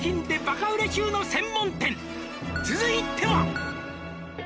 「バカ売れ中の専門店続いては」